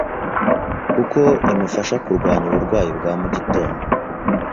kuko imufasha kurwanya uburwayi bwa mu gitondo,